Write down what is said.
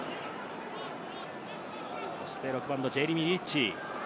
そして６番のジェイミー・リッチー。